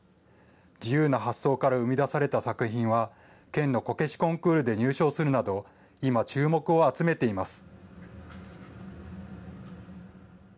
自由な発想から生み出された作品は、県のこけしコンクールで入賞するなど、今、注目を集めています。